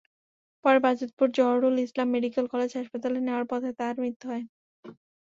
পরে Bajitpur Zahurul Islam medical college হাসপাতালে নেওয়ার পথে তার মৃত্যু হয়।